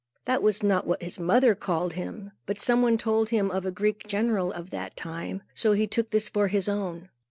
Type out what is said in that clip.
That was not what his mother had called him, but some one told him of a Greek general of that name; so he took this for his own.